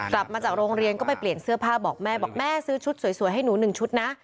กลับมาจากโรงเรียนก็ไปเปลี่ยนเสื้อผ้าบอกแม่บอกแม่ซื้อชุดสวยให้หนู๑ชุดนะ